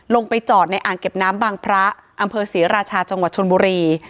ลงไปจอดในอ่างเก็บน้ำบางพระอำเภอศรีราชาจังหวัดชนบุรี